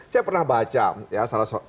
saya pernah baca ya salah